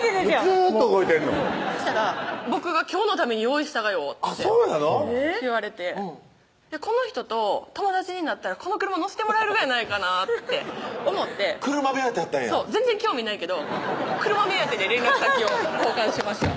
ずーっと動いてんのそしたら「僕が今日のために用意したがよ」って言われてこの人と友達になったらこの車乗せてもらえるがやないかなって思って車目当てやったんやそう全然興味ないけど車目当てで連絡先を交換しました